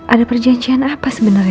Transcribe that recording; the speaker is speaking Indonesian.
ada perjanjian apa sebenarnya